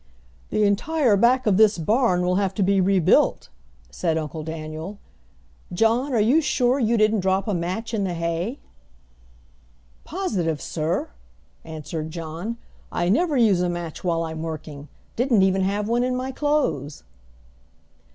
"The entire back of this barn will have to be rebuilt," said Uncle Daniel. "John, are you sure you didn't drop a match in the hay?" "Positive, sir!" answered John. "I never use a match while I'm working. Didn't even have one in my clothes."